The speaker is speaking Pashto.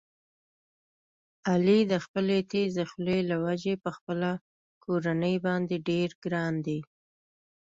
علي د خپلې تېزې خولې له وجې په خپله کورنۍ باندې ډېر ګران دی.